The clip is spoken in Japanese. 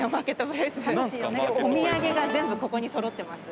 お土産が全部ここに揃ってます。